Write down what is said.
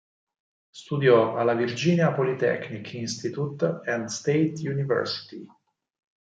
Studiò alla Virginia Polytechnic Institute and State University.